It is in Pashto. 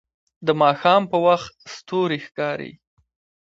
د ماښام په وخت ستوري ښکاري